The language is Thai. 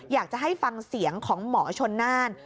อยากจะให้ฟังเสียงของหมอชนน่าน